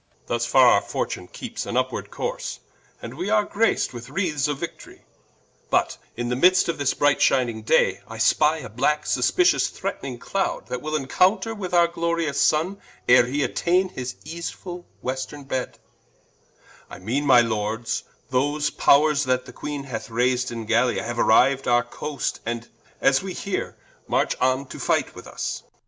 King. Thus farre our fortune keepes an vpward course, And we are grac'd with wreaths of Victorie: But in the midst of this bright shining Day, I spy a black suspicious threatning Cloud, That will encounter with our glorious Sunne, Ere he attaine his easefull Westerne Bed: I meane, my Lords, those powers that the Queene Hath rays'd in Gallia, haue arriued our Coast, And, as we heare, march on to fight with vs Clar.